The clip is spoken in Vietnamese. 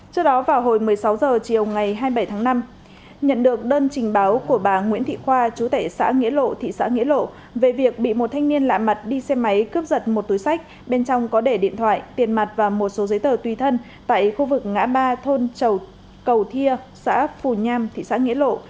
trước đó vào hồi một mươi sáu h chiều ngày hai mươi bảy tháng năm nhận được đơn trình báo của bà nguyễn thị khoa chú tệ xã nghĩa lộ thị xã nghĩa lộ về việc bị một thanh niên lạ mặt đi xe máy cướp giật một túi sách bên trong có để điện thoại tiền mặt và một số giấy tờ tùy thân tại khu vực ngã ba thôn cầu thia xã phù nham thị xã nghĩa lộ